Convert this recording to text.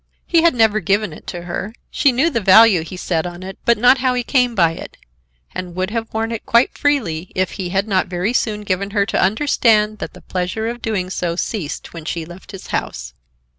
He had never given it to her. She knew the value he set on it, but not how he came by it, and would have worn it quite freely if he had not very soon given her to understand that the pleasure of doing so ceased when she left his house.